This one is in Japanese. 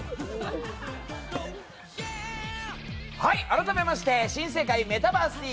改めまして「新世界メタバースＴＶ！！」